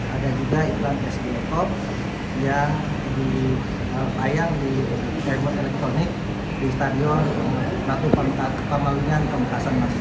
ada juga iklan sdo pop yang dipayang di rebun elektronik di stadion satu pemalungan pemkasan masjid